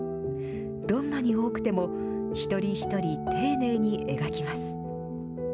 どんなに多くても一人一人丁寧に描きます。